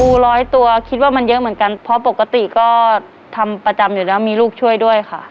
ร้อยตัวคิดว่ามันเยอะเหมือนกันเพราะปกติก็ทำประจำอยู่แล้วมีลูกช่วยด้วยค่ะ